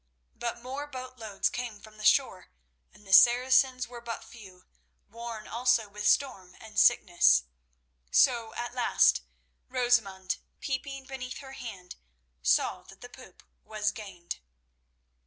But more boatloads came from the shore, and the Saracens were but few, worn also with storm and sickness, so at last Rosamund, peeping beneath her hand, saw that the poop was gained.